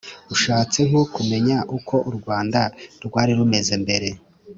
ushatse nko kumenya uko u rwanda rwari rumeze mbere